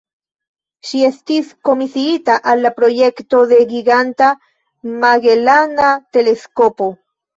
Ŝi estis komisiita al la projekto de Giganta Magelana Teleskopo.